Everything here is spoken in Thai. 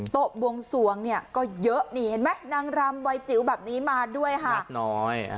บวงสวงเนี่ยก็เยอะนี่เห็นไหมนางรำวัยจิ๋วแบบนี้มาด้วยค่ะพักน้อย